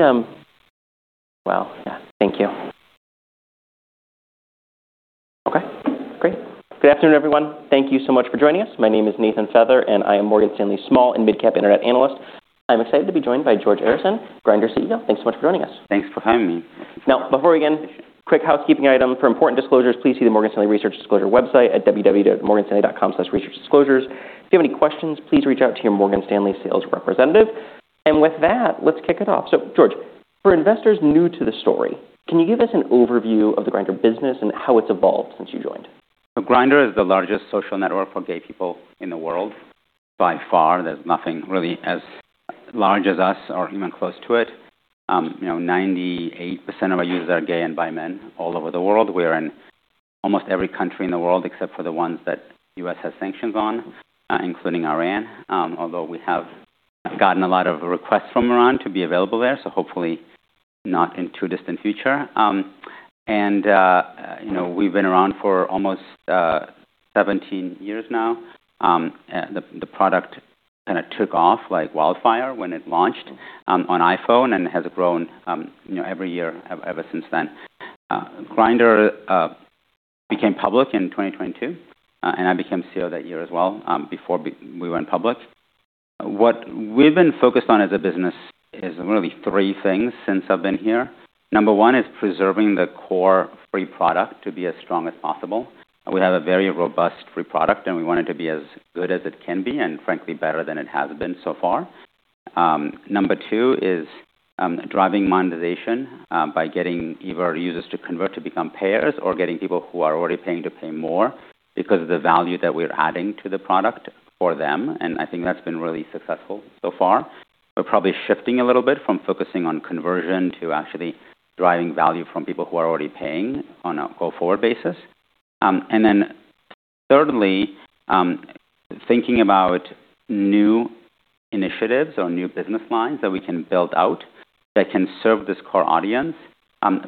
Can we, Well, yeah. Thank you. Okay, great. Good afternoon, everyone. Thank you so much for joining us. My name is Nathan Feather. I am Morgan Stanley SMID Internet Analyst. I'm excited to be joined by George Arison, Grindr CEO. Thanks so much for joining us. Thanks for having me. Before we begin, quick housekeeping item. For important disclosures, please see the Morgan Stanley Research Disclosure website at www.morganstanley.com/researchdisclosures. If you have any questions, please reach out to your Morgan Stanley sales representative. With that, let's kick it off. George, for investors new to the story, can you give us an overview of the Grindr business and how it's evolved since you joined? Grindr is the largest social network for gay people in the world by far. There's nothing really as large as us or even close to it. you know, 98% of our users are gay and bi men all over the world. We're in almost every country in the world except for the ones that U.S. has sanctions on, including Iran. Although we have gotten a lot of requests from Iran to be available there, hopefully not in too distant future. You know, we've been around for almost 17 years now. the product kinda took off like wildfire when it launched on iPhone and has grown, you know, every year ever since then. Grindr became public in 2022, I became CEO that year as well, before we went public. What we've been focused on as a business is really three things since I've been here. Number one is preserving the core free product to be as strong as possible. We have a very robust free product, and we want it to be as good as it can be, and frankly, better than it has been so far. Number two is driving monetization by getting either users to convert to become payers or getting people who are already paying to pay more because of the value that we're adding to the product for them, and I think that's been really successful so far. We're probably shifting a little bit from focusing on conversion to actually driving value from people who are already paying on a go-forward basis. Then thirdly, thinking about new initiatives or new business lines that we can build out that can serve this core audience,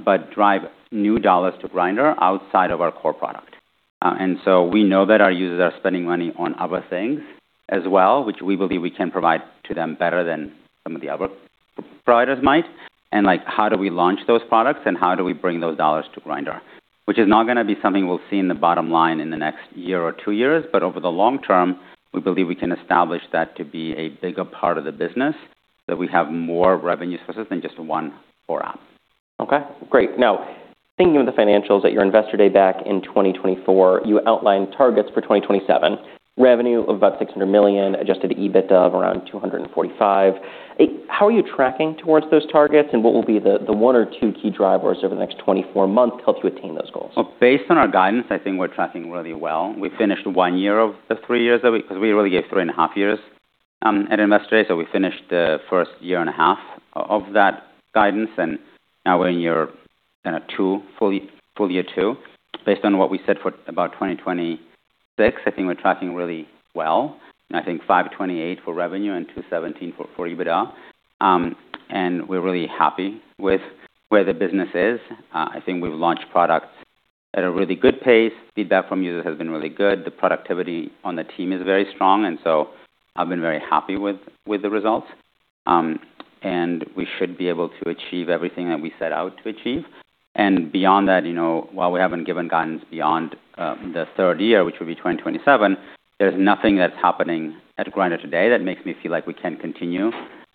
but drive new dollars to Grindr outside of our core product. So we know that our users are spending money on other things as well, which we believe we can provide to them better than some of the other providers might. Like, how do we launch those products, and how do we bring those dollars to Grindr? Which is not gonna be something we'll see in the bottom line in the next year or two years, but over the long term, we believe we can establish that to be a bigger part of the business, that we have more revenue sources than just one core app. Thinking of the financials at your Investor Day back in 2024, you outlined targets for 2027, revenue of about $600 million, adjusted EBIT of around $245 million. How are you tracking towards those targets, and what will be the one or two key drivers over the next 24 months to help you attain those goals? Based on our guidance, I think we're tracking really well. We finished one year of the three years that 'cause we really gave 3.5 years at Investor Day. We finished the first year and a half of that guidance, and now we're in year, kinda two, fully, full-year two. Based on what we said for about 2026, I think we're tracking really well. I think $528 million for revenue and $217 million for EBITDA. We're really happy with where the business is. I think we've launched products at a really good pace. Feedback from users has been really good. The productivity on the team is very strong. I've been very happy with the results. We should be able to achieve everything that we set out to achieve. Beyond that, you know, while we haven't given guidance beyond the third year, which would be 2027, there's nothing that's happening at Grindr today that makes me feel like we can't continue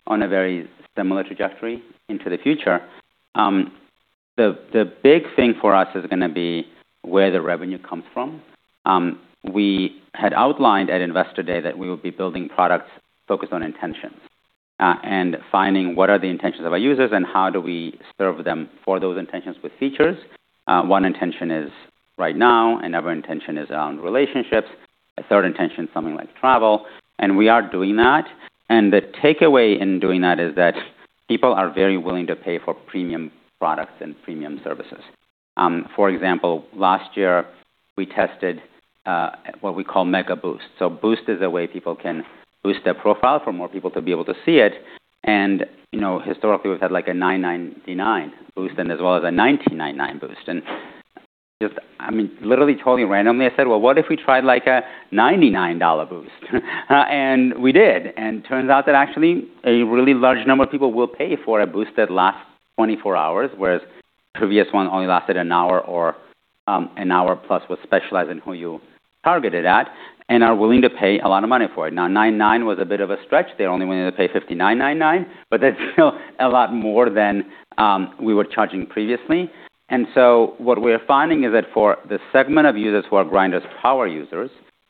on a very similar trajectory into the future. The big thing for us is gonna be where the revenue comes from. We had outlined at Investor Day that we will be building products focused on intentions, and finding what are the intentions of our users and how do we serve them for those intentions with features. One intention is right now, another intention is around relationships, a third intention, something like travel. We are doing that. The takeaway in doing that is that people are very willing to pay for premium products and premium services. For example, last year, we tested what we call Mega Boost. Boost is a way people can Boost their profile for more people to be able to see it. You know, historically, we've had like a $9.99 Boost as well as a $90.99 Boost. Just, I mean, literally totally randomly, I said, "Well, what if we tried like a $99 Boost?" We did. Turns out that actually a really large number of people will pay for a Boost that lasts 24 hours, whereas previous one only lasted an hour or an hour plus with specialized in who you targeted at, and are willing to pay a lot of money for it. Now, $9.99 was a bit of a stretch. They're only willing to pay $59.99, but that's still a lot more than we were charging previously. What we're finding is that for the segment of users who are Grindr's power users,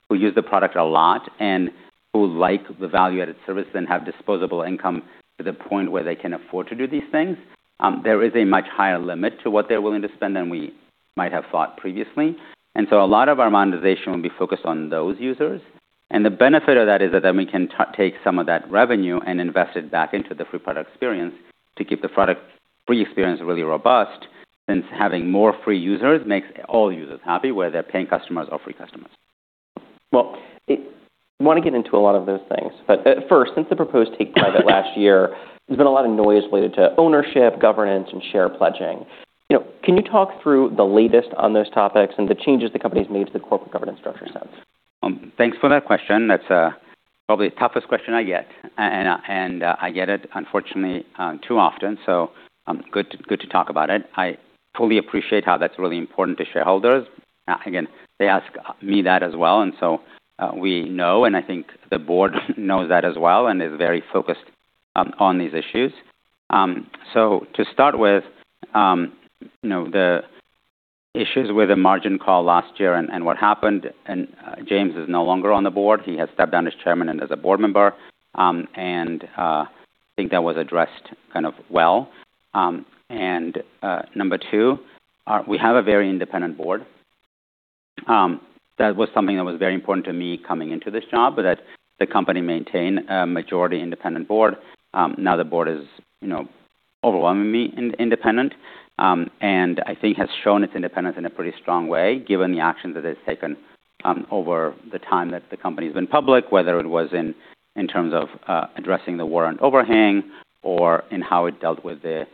who use the product a lot and who like the value-added service and have disposable income to the point where they can afford to do these things, there is a much higher limit to what they're willing to spend than we might have thought previously. A lot of our monetization will be focused on those users. The benefit of that is that then we can take some of that revenue and invest it back into the free product experience to keep the product free experience really robust. Since having more free users makes all users happy, whether they're paying customers or free customers. Well, wanna get into a lot of those things. First, since the proposed take private last year, there's been a lot of noise related to ownership, governance, and share pledging. You know, can you talk through the latest on those topics and the changes the company's made to the corporate governance structure since? Thanks for that question. That's probably the toughest question I get. I get it unfortunately too often, so good to talk about it. I totally appreciate how that's really important to shareholders. Again, they ask me that as well, we know, and I think the board knows that as well and is very focused on these issues. To start with, you know, the issues with a margin call last year and what happened, James is no longer on the board. He has stepped down as Chairman and as a Board Member, I think that was addressed kind of well. Number two, we have a very independent board. That was something that was very important to me coming into this job, that the company maintain a majority independent board. Now the board is, you know, overwhelmingly independent, and I think has shown its independence in a pretty strong way, given the actions that it's taken, over the time that the company's been public, whether it was in terms of addressing the warrant overhang or in how it dealt with the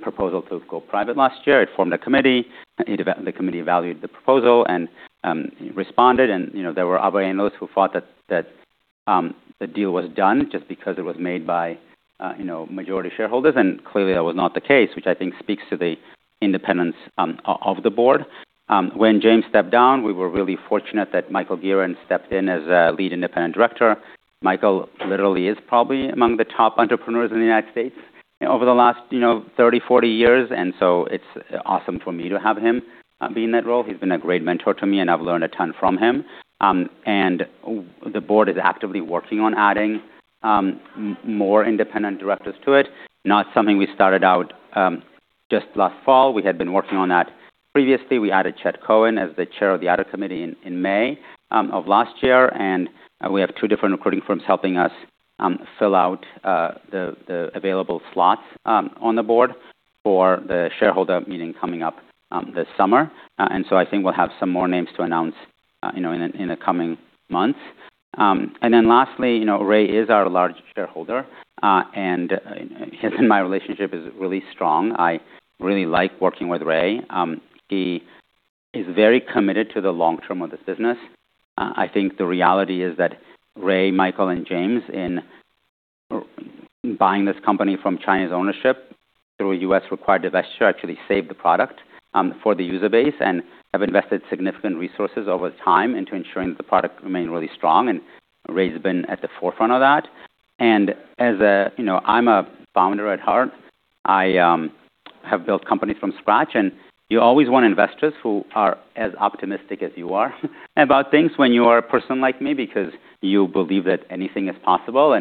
proposal to go private last year. It formed a committee. The committee evaluated the proposal and responded, and, you know, there were other analysts who thought that the deal was done just because it was made by, you know, majority shareholders, and clearly that was not the case, which I think speaks to the independence of the board. When James stepped down, we were really fortunate that Michael Gearon stepped in as a Lead Independent Director. Michael literally is probably among the top entrepreneurs in the United States over the last, you know, 30, 40 years. It's awesome for me to have him be in that role. He's been a great mentor to me, and I've learned a ton from him. The board is actively working on adding more independent directors to it, not something we started out just last fall. We had been working on that previously. We added Chad Cohen as the Chair of the Audit Committee in May of last year. We have two different recruiting firms helping us fill out the available slots on the board for the shareholder meeting coming up this summer. I think we'll have some more names to announce, you know, in the coming months. Lastly, you know, Ray is our largest shareholder, and his and my relationship is really strong. I really like working with Ray. He is very committed to the long term of this business. I think the reality is that Ray, Michael, and James in buying this company from Chinese ownership through a U.S. required investor actually saved the product for the user base and have invested significant resources over time into ensuring that the product remained really strong, and Ray's been at the forefront of that. As a, you know, I'm a founder at heart. I have built companies from scratch, and you always want investors who are as optimistic as you are about things when you are a person like me because you believe that anything is possible.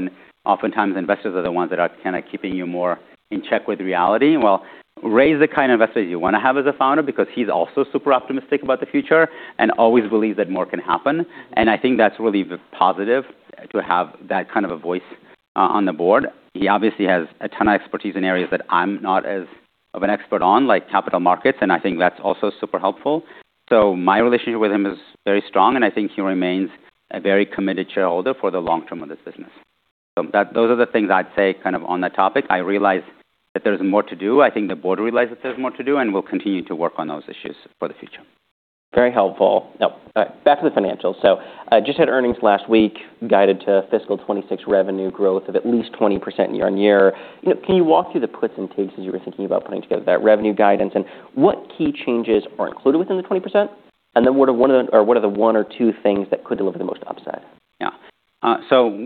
Oftentimes investors are the ones that are kinda keeping you more in check with reality. Well, Ray's the kind of investor you wanna have as a founder because he's also super optimistic about the future and always believes that more can happen. I think that's really positive to have that kind of a voice on the board. He obviously has a ton of expertise in areas that I'm not as of an expert on, like capital markets, and I think that's also super helpful. My relationship with him is very strong, and I think he remains a very committed shareholder for the long term of this business. Those are the things I'd say kind of on that topic. I realize that there's more to do. I think the board realizes there's more to do, and we'll continue to work on those issues for the future. Very helpful. Now, back to the financials. Just had earnings last week guided to fiscal 2026 revenue growth of at least 20% year-over-year. You know, can you walk through the puts and takes as you were thinking about putting together that revenue guidance, and what key changes are included within the 20%? What are the one or two things that could deliver the most upside?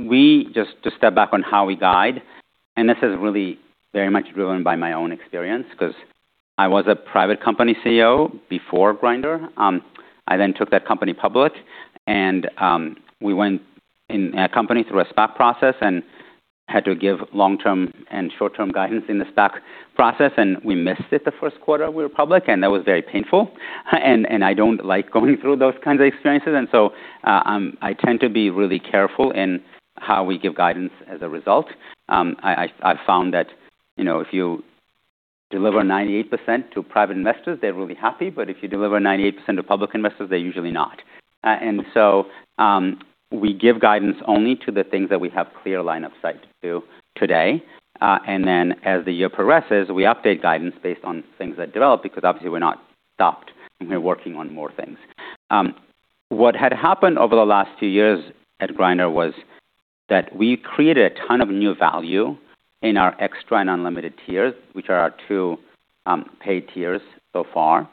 We step back on how we guide, and this is really very much driven by my own experience because I was a private company CEO before Grindr. I then took that company public. We went in a company through a stock process and had to give long-term and short-term guidance in the stock process. We missed it the first quarter we were public. That was very painful. I don't like going through those kinds of experiences. I tend to be really careful in how we give guidance as a result. I found that, you know, if you deliver 98% to private investors, they're really happy. If you deliver 98% to public investors, they're usually not. We give guidance only to the things that we have clear line of sight to today. As the year progresses, we update guidance based on things that develop because obviously we're not stopped and we're working on more things. What had happened over the last few years at Grindr was that we created a ton of new value in our Xtra and Unlimited tiers, which are our two paid tiers so far.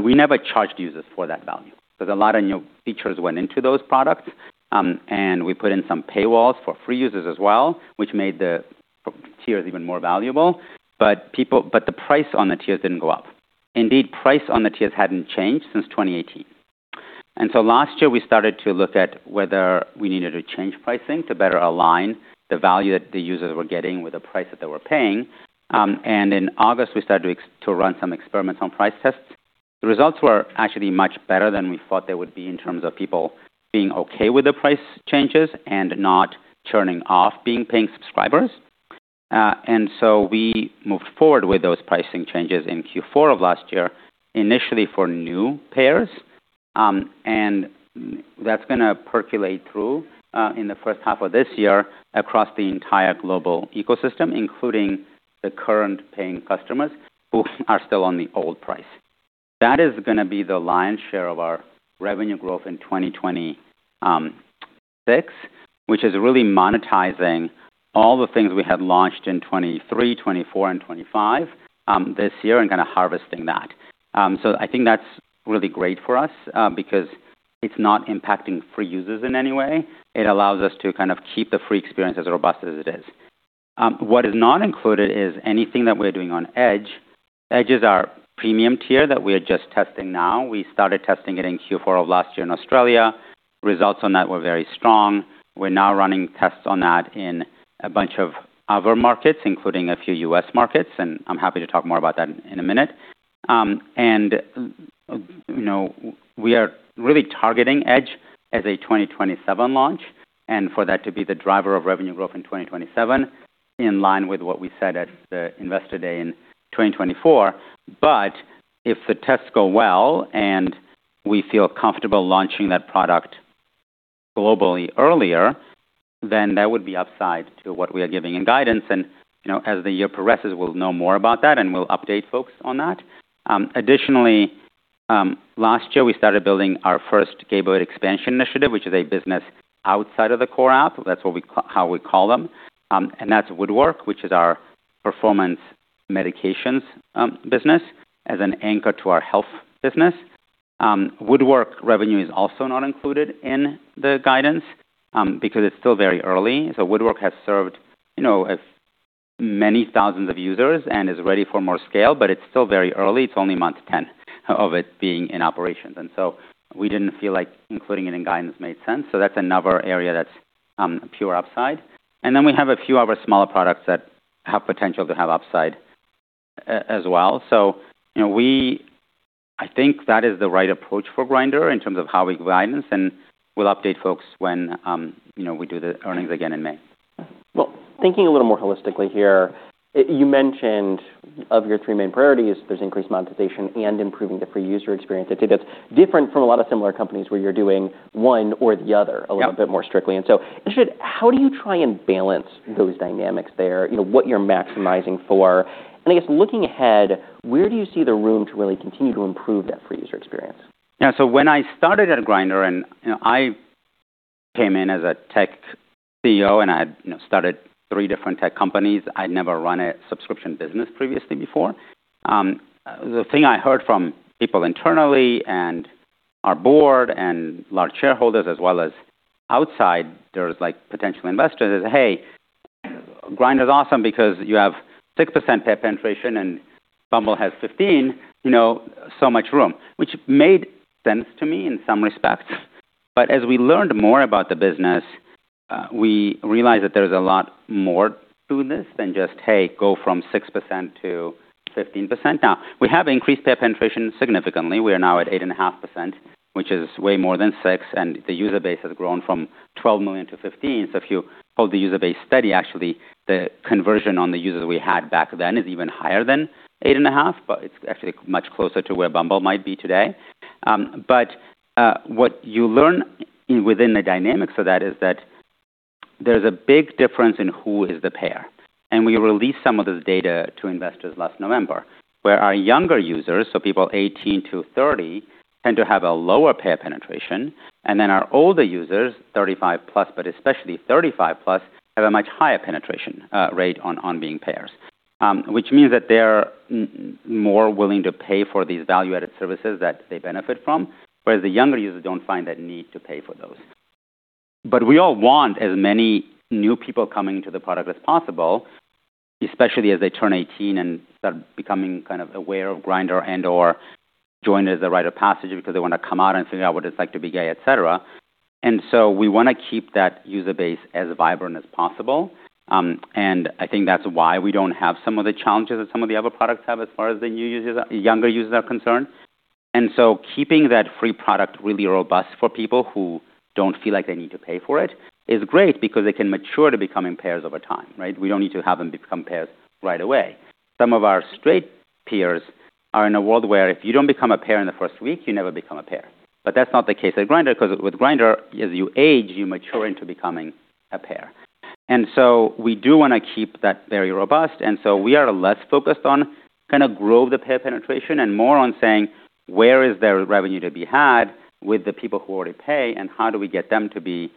We never charged users for that value. A lot of new features went into those products, we put in some paywalls for free users as well, which made the tiers even more valuable. The price on the tiers didn't go up. Indeed, price on the tiers hadn't changed since 2018. Last year, we started to look at whether we needed to change pricing to better align the value that the users were getting with the price that they were paying. In August, we started to run some experiments on price tests. The results were actually much better than we thought they would be in terms of people being okay with the price changes and not churning off being paying subscribers. We moved forward with those pricing changes in Q4 of last year, initially for new payers. That's gonna percolate through in the first half of this year across the entire global ecosystem, including the current paying customers who are still on the old price. That is gonna be the lion's share of our revenue growth in 2026, which is really monetizing all the things we had launched in 2023, 2024, and 2025 this year and kinda harvesting that. I think that's really great for us because it's not impacting free users in any way. It allows us to kind of keep the free experience as robust as it is. What is not included is anything that we're doing on EDGE. EDGE is our premium tier that we are just testing now. We started testing it in Q4 of last year in Australia. Results on that were very strong. We're now running tests on that in a bunch of other markets, including a few U.S. markets, and I'm happy to talk more about that in a minute. You know, we are really targeting EDGE as a 2027 launch and for that to be the driver of revenue growth in 2027 in line with what we said at the Investor Day in 2024. If the tests go well and we feel comfortable launching that product globally earlier, then that would be upside to what we are giving in guidance. You know, as the year progresses, we'll know more about that, and we'll update folks on that. Additionally, last year, we started building our first Gayborhood expansion initiative, which is a business outside of the core app. That's how we call them. And that's Woodwork, which is our performance medications, business as an anchor to our health business. Woodwork revenue is also not included in the guidance, because it's still very early. Woodwork has served, you know, as many thousands of users, but it's still very early. It's only month 10 of it being in operations. We didn't feel like including it in guidance made sense. That's another area that's pure upside. We have a few other smaller products that have potential to have upside as well. You know, I think that is the right approach for Grindr in terms of how we guidance, and we'll update folks when, you know, we do the earnings again in May. Thinking a little more holistically here, you mentioned of your three main priorities, there's increased monetization and improving the free user experience. I think that's different from a lot of similar companies where you're doing one or the other, a little bit more strictly. You should—how do you try and balance those dynamics there? You know, what you're maximizing for. I guess looking ahead, where do you see the room to really continue to improve that free user experience? Yeah. When I started at Grindr, and, you know, I came in as a tech CEO, and I had, you know, started three different tech companies. I'd never run a subscription business previously before. The thing I heard from people internally and our board and large shareholders as well as outside, there was, like, potential investors, "Hey, Grindr is awesome because you have 6% paid penetration and Bumble has 15%, you know, so much room," which made sense to me in some respects. As we learned more about the business, we realized that there's a lot more to this than just, "Hey, go from 6% to 15%." We have increased paid penetration significantly. We are now at 8.5%, which is way more than 6%, and the user base has grown from 12 million to 15 million. if you hold the user base steady, actually, the conversion on the users we had back then is even higher than 8.5%, but it's actually much closer to where Bumble might be today. But what you learn within the dynamics of that is that there's a big difference in who is the payer. We released some of this data to investors last November, where our younger users, so people 18–30, tend to have a lower payer penetration, and then our older users, 35+, but especially 35+, have a much higher penetration rate on being payers. Which means that they're more willing to pay for these value-added services that they benefit from, whereas the younger users don't find that need to pay for those. We all want as many new people coming to the product as possible, especially as they turn 18 and start becoming kind of aware of Grindr and/or join as a rite of passage because they wanna come out and figure out what it's like to be gay, et cetera. We wanna keep that user base as vibrant as possible. I think that's why we don't have some of the challenges that some of the other products have as far as the younger users are concerned. Keeping that free product really robust for people who don't feel like they need to pay for it is great because they can mature to becoming payers over time, right? We don't need to have them become payers right away. Some of our straight peers are in a world where if you don't become a payer in the first week, you never become a payer. That's not the case at Grindr 'cause with Grindr, as you age, you mature into becoming a payer. We do wanna keep that very robust, and so we are less focused on kinda grow the payer penetration and more on saying, where is there revenue to be had with the people who already pay, and how do we get them to be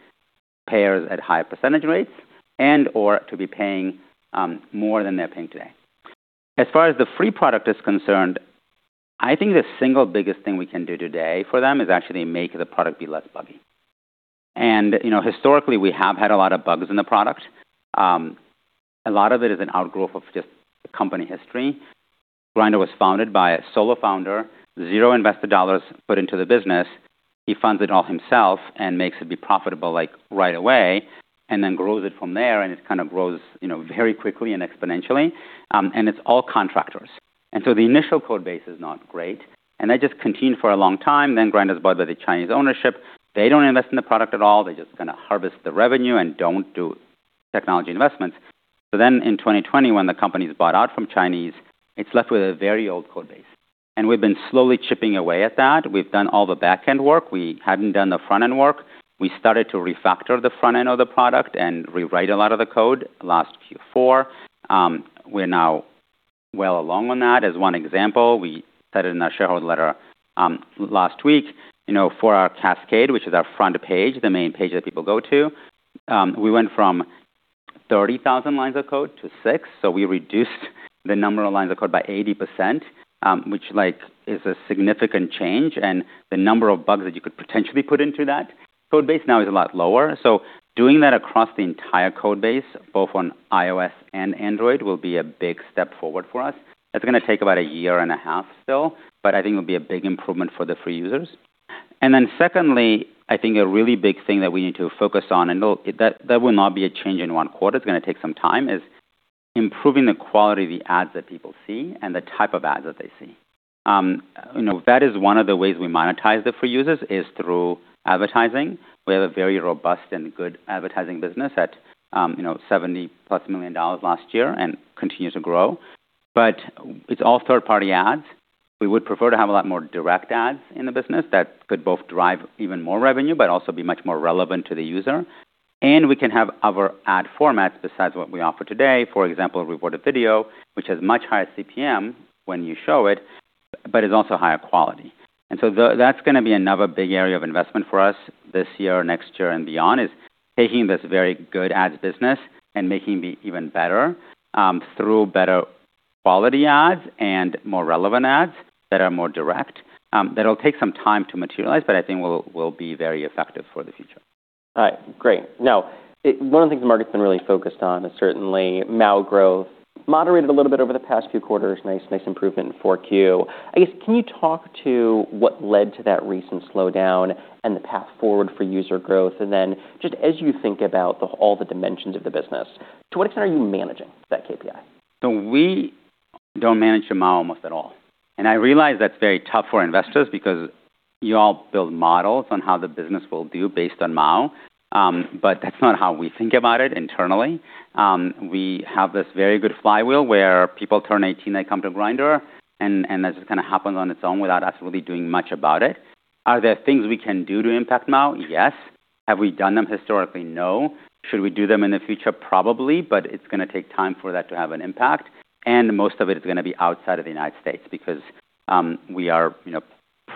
payers at higher percentage rates and or to be paying more than they're paying today? As far as the free product is concerned, I think the single biggest thing we can do today for them is actually make the product be less buggy. You know, historically, we have had a lot of bugs in the product. A lot of it is an outgrowth of just the company history. Grindr was founded by a solo founder, zero invested dollars put into the business. He funds it all himself and makes it be profitable, like, right away and then grows it from there, and it kind of grows, you know, very quickly and exponentially. It's all contractors. The initial code base is not great, and that just continued for a long time. Grindr is bought by the Chinese ownership. They don't invest in the product at all. They're just gonna harvest the revenue and don't do technology investments. In 2020, when the company is bought out from Chinese, it's left with a very old code base. We've been slowly chipping away at that. We have done all the back-end work. We hadn't done the front-end work. We started to refactor the front end of the product and rewrite a lot of the code last Q4. We're now well along on that. As one example, we said in our shareholder letter, last week, you know, for our Cascade, which is our front page, the main page that people go to, we went from 30,000 lines of code to 6,000. We reduced the number of lines of code by 80%, which, like, is a significant change. The number of bugs that you could potentially put into that code base now is a lot lower. Doing that across the entire code base, both on iOS and Android, will be a big step forward for us. That's gonna take about a year and a half still, but I think it will be a big improvement for the free users. Secondly, I think a really big thing that we need to focus on, and look, that will not be a change in one quarter, it's gonna take some time, is improving the quality of the ads that people see and the type of ads that they see. You know, that is one of the ways we monetize the free users is through advertising. We have a very robust and good advertising business at, you know, $70 million+ last year and continue to grow. It's all third-party ads. We would prefer to have a lot more direct ads in the business that could both drive even more revenue, but also be much more relevant to the user. We can have other ad formats besides what we offer today. For example, rewarded video, which has much higher CPM when you show it, but is also higher quality. That's gonna be another big area of investment for us this year, next year, and beyond, is taking this very good ads business and making it even better, through better quality ads and more relevant ads that are more direct. That'll take some time to materialize, but I think will be very effective for the future. All right. Great. Now, one of the things the market's been really focused on is certainly MAU growth. Moderated a little bit over the past few quarters. Nice improvement in 4Q. I guess, can you talk to what led to that recent slowdown and the path forward for user growth? Just as you think about all the dimensions of the business, to what extent are you managing that KPI? We don't manage the MAU almost at all. I realize that's very tough for investors because you all build models on how the business will do based on MAU, but that's not how we think about it internally. We have this very good flywheel where people turn 18, they come to Grindr, and that just kinda happens on its own without us really doing much about it. Are there things we can do to impact MAU? Yes. Have we done them historically? No. Should we do them in the future? Probably. It's gonna take time for that to have an impact, and most of it is gonna be outside of the United States because, we are, you know,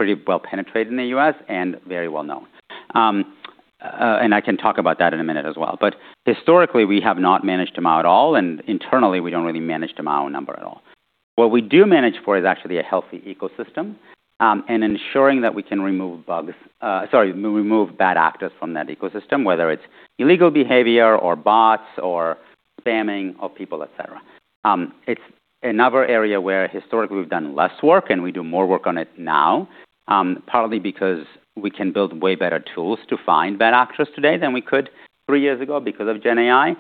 pretty well penetrated in the U.S. and very well-known. I can talk about that in a minute as well. Historically, we have not managed MAU at all, and internally, we don't really manage the MAU number at all. What we do manage for is actually a healthy ecosystem, and ensuring that we can remove bad actors from that ecosystem, whether it's illegal behavior or bots or spamming of people, et cetera. It's another area where historically we've done less work, and we do more work on it now, partly because we can build way better tools to find bad actors today than we could three years ago because of GenAI.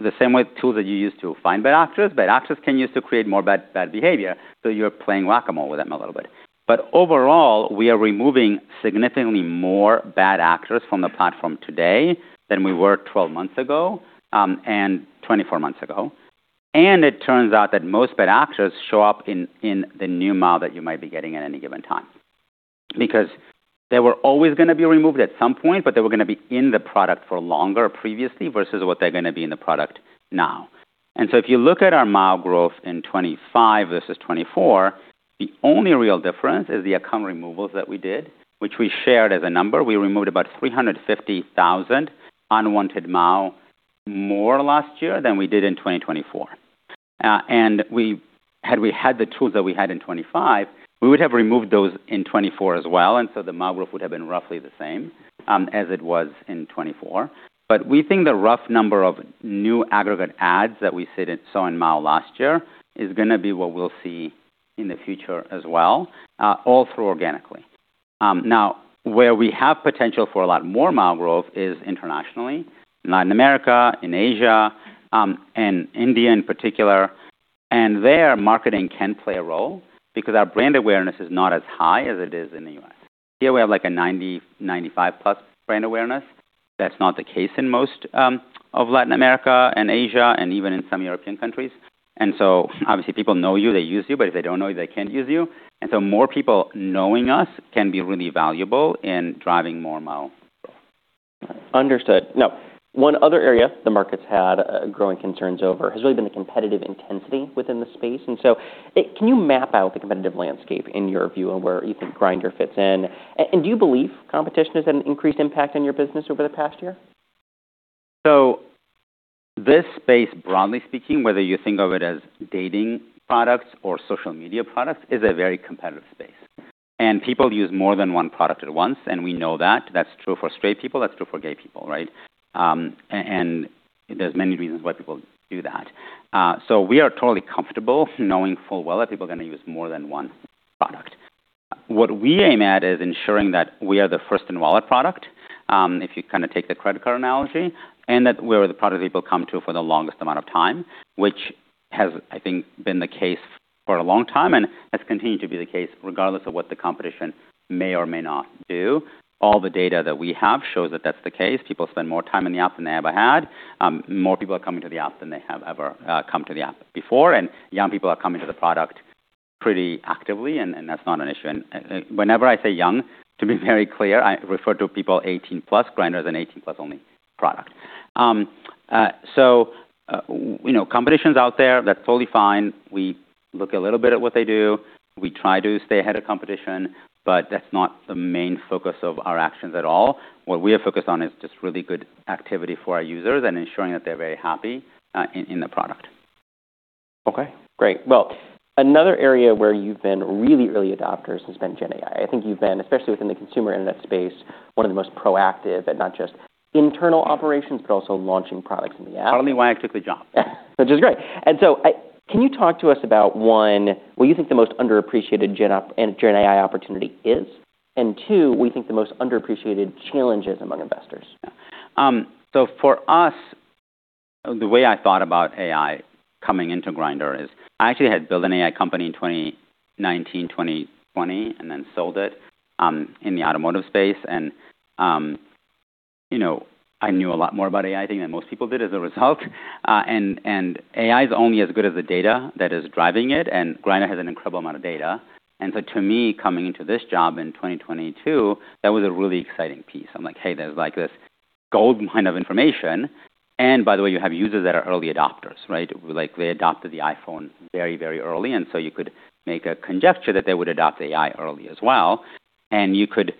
The same way tools that you use to find bad actors, bad actors can use to create more bad behavior, you're playing whack-a-mole with them a little bit. Overall, we are removing significantly more bad actors from the platform today than we were 12 months ago, and 24 months ago. It turns out that most bad actors show up in the new MAU that you might be getting at any given time. They were always gonna be removed at some point, but they were gonna be in the product for longer previously versus what they're gonna be in the product now. If you look at our MAU growth in 2025 versus 2024, the only real difference is the account removals that we did, which we shared as a number. We removed about 350,000 unwanted MAU more last year than we did in 2024. We had the tools that we had in 2025, we would have removed those in 2024 as well. The MAU growth would have been roughly the same as it was in 2024. We think the rough number of new aggregate ads that we saw in MAU last year is gonna be what we'll see in the future as well, all through organically. Now, where we have potential for a lot more MAU growth is internationally, Latin America, in Asia, and India in particular. There, marketing can play a role because our brand awareness is not as high as it is in the U.S. Here we have like a 90%, 95%+ brand awareness. That's not the case in most of Latin America and Asia and even in some European countries. Obviously, people know you, they use you, but if they don't know you, they can't use you. More people knowing us can be really valuable in driving more MAU. Understood. One other area the market's had growing concerns over has really been the competitive intensity within the space. Can you map out the competitive landscape in your view of where you think Grindr fits in? Do you believe competition has had an increased impact on your business over the past year? This space, broadly speaking, whether you think of it as dating products or social media products, is a very competitive space. People use more than one product at once, and we know that. That's true for straight people, that's true for gay people, right? There's many reasons why people do that. We are totally comfortable knowing full well that people are gonna use more than one product. What we aim at is ensuring that we are the first in-wallet product, if you kinda take the credit card analogy, and that we're the product people come to for the longest amount of time, which has, I think, been the case for a long time and has continued to be the case regardless of what the competition may or may not do. All the data that we have shows that that's the case. People spend more time in the app than they ever had. More people are coming to the app than they have ever come to the app before. Young people are coming to the product pretty actively, and that's not an issue. Whenever I say young, to be very clear, I refer to people 18+. Grindr is an 18+ only product. You know, competition's out there. That's totally fine. We look a little bit at what they do. We try to stay ahead of competition, but that's not the main focus of our actions at all. What we are focused on is just really good activity for our users and ensuring that they're very happy in the product. Okay, great. Well, another area where you've been really early adopters has been GenAI. I think you've been, especially within the consumer internet space, one of the most proactive at not just internal operations, but also launching products in the app. Probably why I took the job. Which is great. Can you talk to us about, one, what you think the most underappreciated GenAI opportunity is, and two, what do you think the most underappreciated challenge is among investors? For us, the way I thought about AI coming into Grindr is I actually had built an AI company in 2019, 2020 and then sold it in the automotive space. You know, I knew a lot more about AI, I think, than most people did as a result. AI is only as good as the data that is driving it, and Grindr has an incredible amount of data. To me, coming into this job in 2022, that was a really exciting piece. I'm like, "Hey, there's like this goldmine of information." By the way, you have users that are early adopters, right? They adopted the iPhone very, very early, and so you could make a conjecture that they would adopt AI early as well, and you could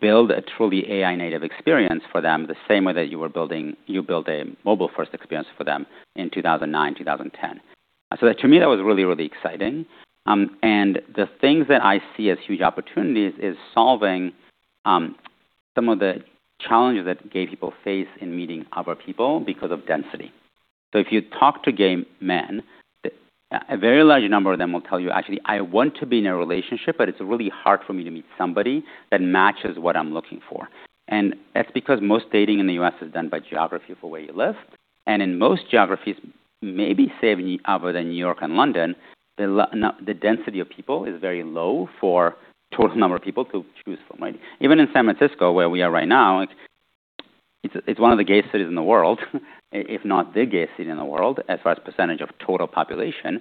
build a truly AI-native experience for them the same way that you built a mobile-first experience for them in 2009, 2010. To me, that was really, really exciting. The things that I see as huge opportunities is solving some of the challenges that gay people face in meeting other people because of density. If you talk to gay men, a very large number of them will tell you, "Actually, I want to be in a relationship, but it's really hard for me to meet somebody that matches what I'm looking for." That's because most dating in the U.S. is done by geography for where you live. In most geographies, maybe save other than New York and London, the density of people is very low for total number of people to choose from, right? Even in San Francisco, where we are right now, it's one of the gay cities in the world, if not the gay city in the world, as far as percentage of total population.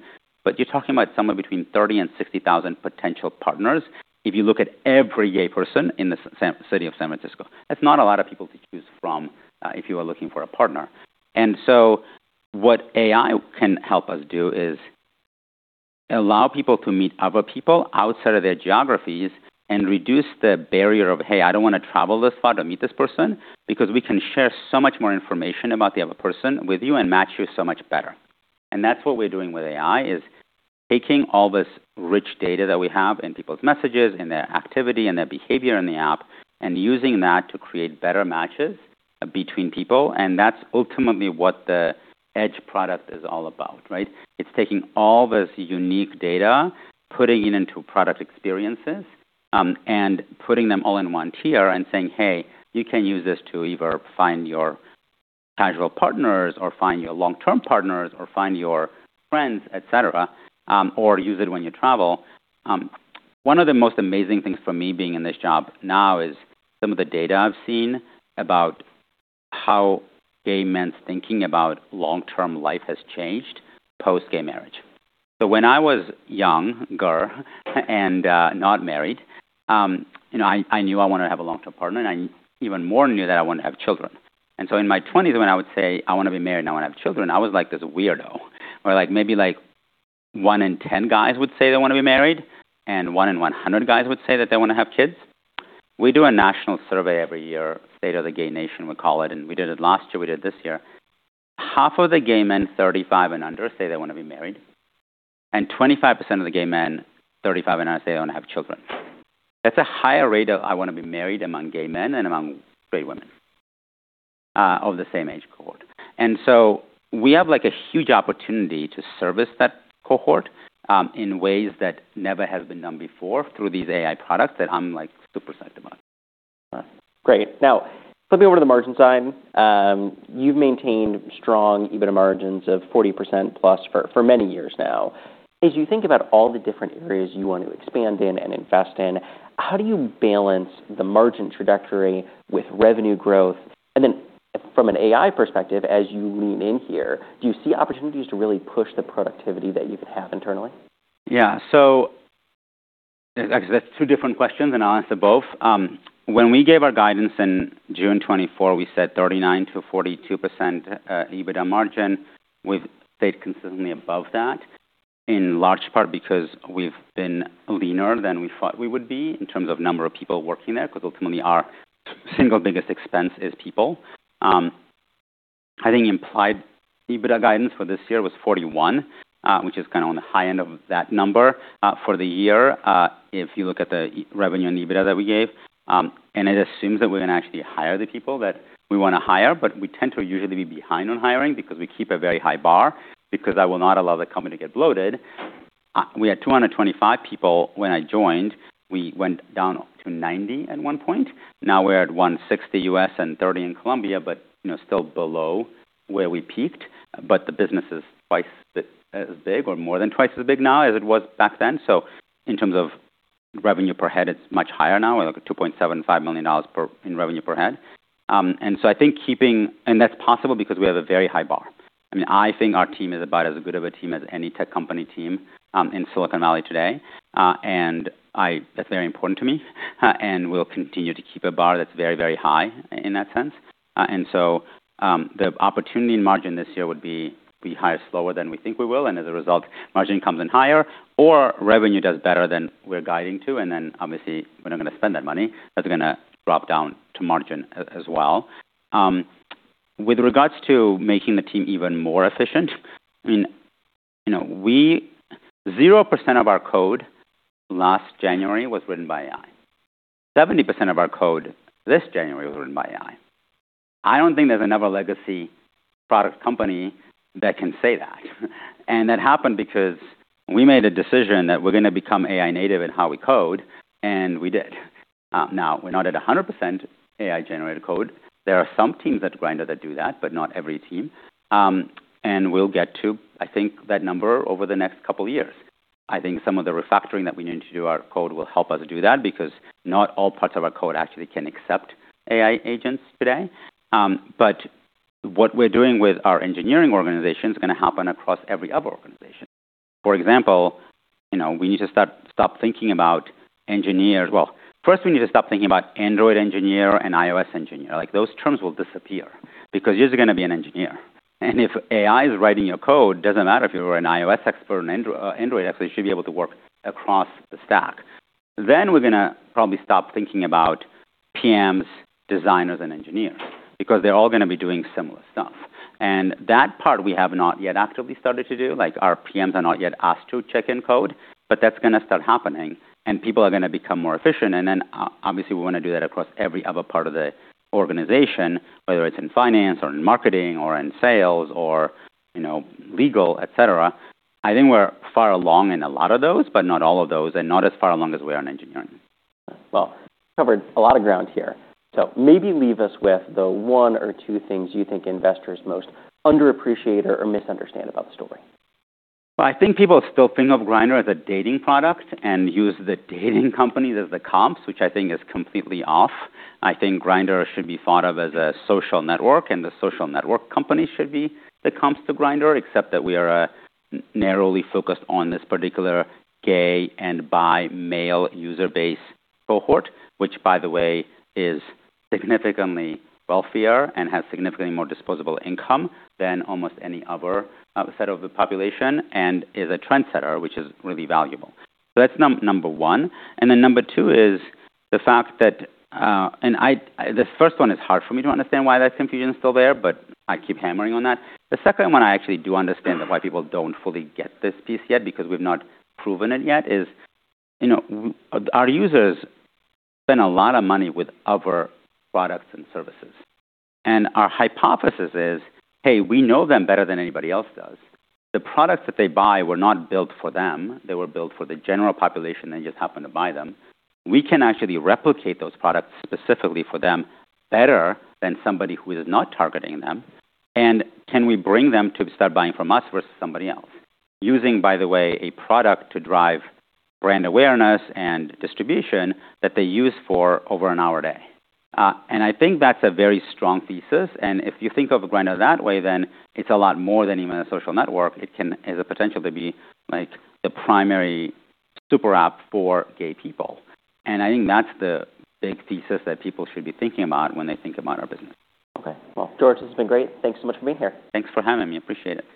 You're talking about somewhere between 30,000 and 60,000 potential partners if you look at every gay person in the city of San Francisco. That's not a lot of people to choose from if you are looking for a partner. What AI can help us do is allow people to meet other people outside of their geographies and reduce the barrier of, "Hey, I don't wanna travel this far to meet this person," because we can share so much more information about the other person with you and match you so much better. That's what we're doing with AI, is taking all this rich data that we have in people's messages, in their activity, in their behavior in the app, and using that to create better matches between people. That's ultimately what the EDGE product is all about, right? It's taking all this unique data, putting it into product experiences, and putting them all in one tier and saying, "Hey, you can use this to either find your casual partners or find your long-term partners or find your friends, et cetera, or use it when you travel." One of the most amazing things for me being in this job now is some of the data I've seen about how gay men's thinking about long-term life has changed post-gay marriage. When I was young, and not married, you know, I knew I wanted to have a long-term partner, and I even more knew that I wanted to have children. In my 20s, when I would say, "I wanna be married, and I wanna have children," I was like this weirdo. Or like, maybe like one in 10 guys would say they wanna be married, and one in 100 guys would say that they wanna have kids. We do a national survey every year, State of the Gay Nation, we call it, and we did it last year, we did it this year. Half of the gay men 35 and under say they wanna be married, and 25% of the gay men 35 and under say they wanna have children. That's a higher rate of, "I wanna be married" among gay men and among straight women, of the same age cohort. We have like a huge opportunity to service that cohort, in ways that never have been done before through these AI products that I'm like super psyched about. Great. Now, flipping over to the margin side, you've maintained strong EBITDA margins of 40%+ for many years now. As you think about all the different areas you want to expand in and invest in, how do you balance the margin trajectory with revenue growth? From an AI perspective, as you lean in here, do you see opportunities to really push the productivity that you can have internally? Actually, that's two different questions, and I'll answer both. When we gave our guidance in June 2024, we said 39%-42% EBITDA margin. We've stayed consistently above that, in large part because we've been leaner than we thought we would be in terms of number of people working there, 'cause ultimately our single biggest expense is people. I think implied EBITDA guidance for this year was 41%, which is kinda on the high end of that number for the year, if you look at the revenue and EBITDA that we gave. It assumes that we're gonna actually hire the people that we wanna hire, but we tend to usually be behind on hiring because we keep a very high bar, because I will not allow the company to get bloated. We had 225 people when I joined. We went down to 90 at one point. Now we're at 160 U.S. and 30 in Colombia, you know, still below where we peaked. The business is twice as big or more than twice as big now as it was back then. In terms of revenue per head, it's much higher now, like $2.75 million in revenue per head. I think that's possible because we have a very high bar. I mean, I think our team is about as good of a team as any tech company team, in Silicon Valley today. That's very important to me. We'll continue to keep a bar that's very, very high in that sense. The opportunity in margin this year would be higher, slower than we think we will, and as a result, margin comes in higher or revenue does better than we're guiding to, and then obviously we're not gonna spend that money. That's gonna drop down to margin as well. With regards to making the team even more efficient, I mean, you know, we—zero percent of our code last January was written by AI. 70% of our code this January was written by AI. I don't think there's another legacy product company that can say that. That happened because we made a decision that we're gonna become AI native in how we code, and we did. Now we're not at 100% AI-generated code. There are some teams at Grindr that do that, but not every team. We'll get to, I think, that number over the next couple years. I think some of the refactoring that we need to do our code will help us do that because not all parts of our code actually can accept AI agents today. What we're doing with our engineering organization is gonna happen across every other organization. For example, you know, we need to stop thinking about engineers. Well, first we need to stop thinking about Android engineer and iOS engineer. Like, those terms will disappear because you're just gonna be an engineer. If AI is writing your code, doesn't matter if you're an iOS expert or an Android expert, you should be able to work across the stack. We're gonna probably stop thinking about PMs, designers, and engineers because they're all gonna be doing similar stuff. That part we have not yet actively started to do. Like, our PMs are not yet asked to check in code, but that's gonna start happening, and people are gonna become more efficient. Obviously, we wanna do that across every other part of the organization, whether it's in finance or in marketing or in sales or, you know, legal, et cetera. I think we're far along in a lot of those, but not all of those, and not as far along as we are in engineering. Well, covered a lot of ground here. Maybe leave us with the one or two things you think investors most underappreciate or misunderstand about the story? Well, I think people still think of Grindr as a dating product and use the dating companies as the comps, which I think is completely off. I think Grindr should be thought of as a social network, and the social network company should be the comps to Grindr, except that we are narrowly focused on this particular gay and bi male user base cohort, which by the way, is significantly wealthier and has significantly more disposable income than almost any other set of the population and is a trendsetter, which is really valuable. That's number one. Number two is the fact that—the first one is hard for me to understand why that confusion is still there, but I keep hammering on that. The second one, I actually do understand why people don't fully get this piece yet, because we've not proven it yet, is, you know, our users spend a lot of money with other products and services. Our hypothesis is, hey, we know them better than anybody else does. The products that they buy were not built for them. They were built for the general population, they just happen to buy them. We can actually replicate those products specifically for them better than somebody who is not targeting them. Can we bring them to start buying from us versus somebody else? Using, by the way, a product to drive brand awareness and distribution that they use for over an hour a day. I think that's a very strong thesis. If you think of Grindr that way, then it's a lot more than even a social network.It has a potential to be like the primary super app for gay people. I think that's the big thesis that people should be thinking about when they think about our business. Okay. Well, George, this has been great. Thanks so much for being here. Thanks for having me. Appreciate it.